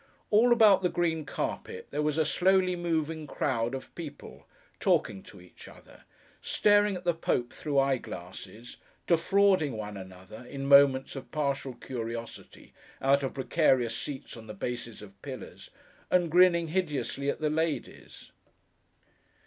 All about the green carpet, there was a slowly moving crowd of people: talking to each other: staring at the Pope through eye glasses; defrauding one another, in moments of partial curiosity, out of precarious seats on the bases of pillars: and grinning hideously at the ladies.